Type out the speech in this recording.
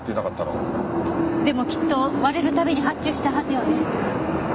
でもきっと割れるたびに発注したはずよね。